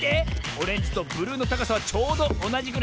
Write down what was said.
オレンジとブルーのたかさはちょうどおなじぐらい。